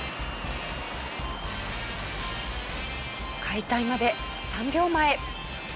解体まで３秒前。